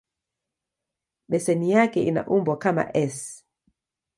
Beseni yake ina umbo kama "S".